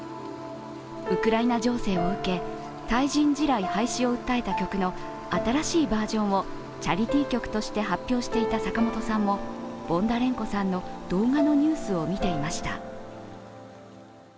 ウクライナ情勢を受け、対人地雷廃止を訴えた曲の新しいバージョンをチャリティー曲として発表していた坂本さんもボンダレンコさんの動画のニュースを見ていました。